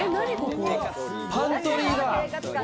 パントリーだ。